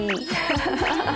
ハハハハ。